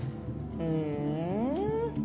ふん。